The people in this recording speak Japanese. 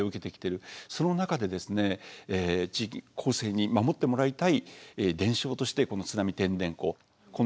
その中で後世に守ってもらいたい伝承としてこの「津波てんでんこ」